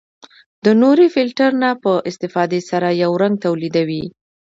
د نوري فلټر نه په استفادې سره یو رنګ تولیدوي.